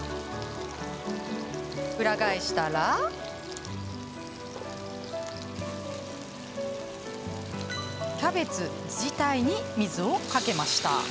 裏返したらキャベツ自体に水をかけました。